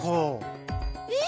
え？